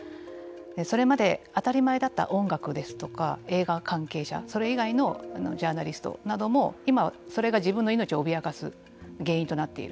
それまで当たり前だった音楽ですとか映画関係者それ以外のジャーナリストなども今それが自分の命を脅かす原因となっている。